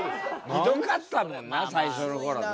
ひどかったもんな最初の頃な。